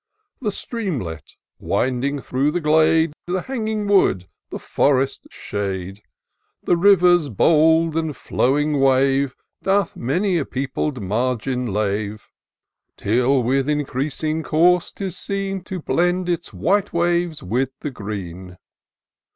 The streamlet, winding through the glade. The hanging wood, the forest shade ; The river's bold and flowing wave, Doth many a peopled margin lave. Till, with increasing course, 'tis seen To blend its white waves with the green.